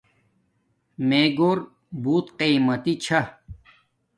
میں گھور بوت قیمتی چھا